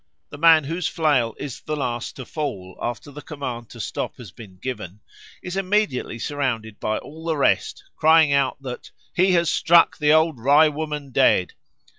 The man whose flail is the last to fall after the command to stop has been given is immediately surrounded by all the rest, crying out that "he has struck the Old Rye woman dead."